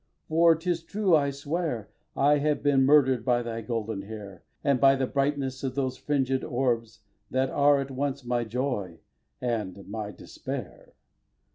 For 'tis true, I swear: I have been murder'd by thy golden hair, And by the brightness of those fringèd orbs That are at once my joy and my despair.